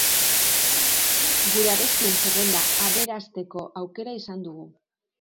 Gure abestien zerrenda aberasteko aukera izan dugu.